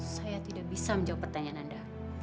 saya tidak bisa menjawab pertanyaan anda